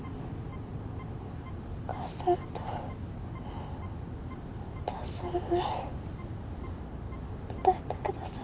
お母さんとお父さんに伝えてください。